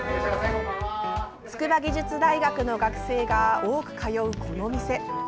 筑波技術大学の学生が多く通うこの店。